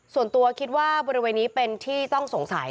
ส่วนตัวคิดว่าบริเวณนี้เป็นที่ต้องสงสัย